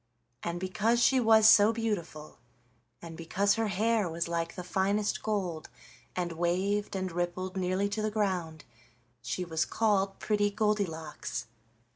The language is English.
And because she was so beautiful, and because her hair was like the finest gold, and waved and rippled nearly to the ground, she was called Pretty Goldilocks.